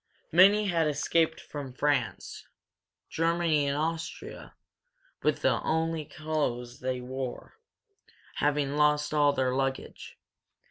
Many had escaped from France, Germany and Austria with only the clothes they wore, having lost all their luggage.